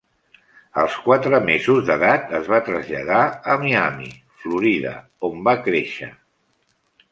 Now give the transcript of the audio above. Als quatre mesos d'edat es va traslladar a Miami, Florida, on va créixer.